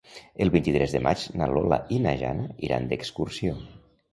El vint-i-tres de maig na Lola i na Jana iran d'excursió.